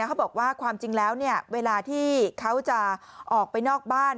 เขาบอกว่าความจริงแล้วเวลาที่เขาจะออกไปนอกบ้าน